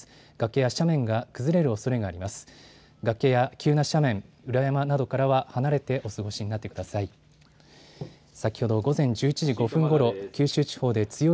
崖や急な斜面、裏山などからは離れてお過ごしになってください。